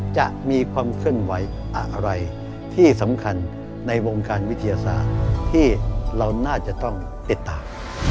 จะมีความเคลื่อนไหวอะไรที่สำคัญในวงการวิทยาศาสตร์ที่เราน่าจะต้องติดตาม